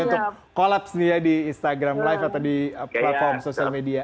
untuk collapse nih ya di instagram live atau di platform sosial media